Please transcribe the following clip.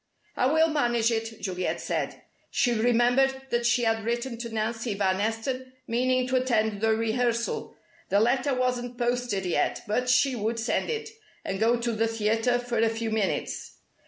"I will manage it," Juliet said. She remembered that she had written to Nancy van Esten, meaning to attend the rehearsal. The letter wasn't posted yet, but she would send it, and go to the theatre for a few minutes.